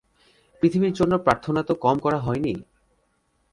পৃথিবীর জন্যে প্রার্থনা তো কম করা হয়নি!